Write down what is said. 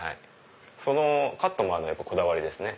そのカットまでこだわりですね。